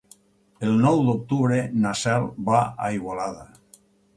El nou d'octubre na Cel va a Igualada.